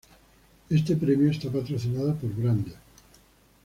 Este premio está patrocinado por Brandt.